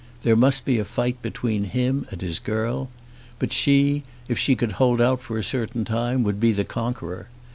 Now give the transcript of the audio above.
There must be a fight between him and his girl; but she, if she could hold out for a certain time, would be the conqueror.